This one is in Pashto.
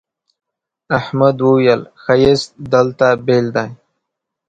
احمد وويل: ښایست دلته بېل دی.